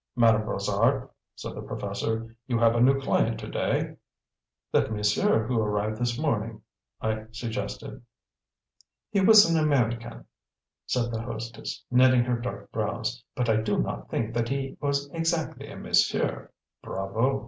"Madame Brossard," said the professor, "you have a new client to day." "That monsieur who arrived this morning," I suggested. "He was an American," said the hostess, knitting her dark brows "but I do not think that he was exactly a monsieur." "Bravo!"